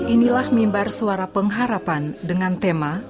inilah mimbar suara pengharapan dengan tema